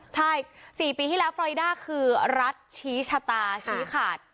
ใช่๔ปีที่แล้วฟรอยด้าคือรัฐชี้ชะตาชี้ขาด